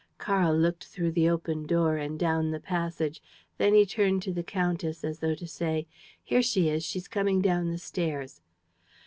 Karl looked through the open door and down the passage. Then he turned to the countess, as though to say: "Here she is. ... She's coming down the stairs.